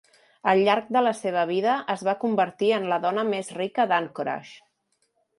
Al llarg de la seva vida es va convertir en la dona més rica d'Anchorage.